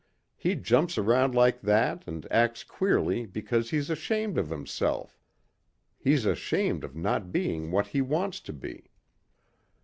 He jumps around like that and acts queerly because he's ashamed of himself. He's ashamed of not being what he wants to be."